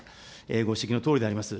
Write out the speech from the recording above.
ご指摘のとおりであります。